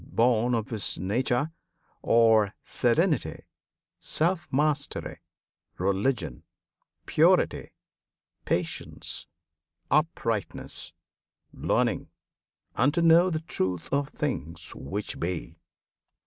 Born of his nature, are serenity, Self mastery, religion, purity, Patience, uprightness, learning, and to know The truth of things which be.